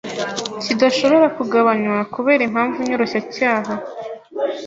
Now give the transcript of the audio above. kidashobora kugabanywa kubera impamvu nyoroshyacyaha.